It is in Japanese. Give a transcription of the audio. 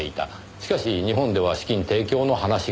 しかし日本では資金提供の話がない。